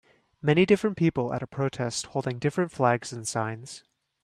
Many different people at a protest holding different flags and signs.